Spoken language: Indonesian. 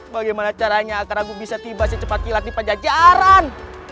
bagaimana caranya agar aku bisa tiba secepat kilat di pajajaran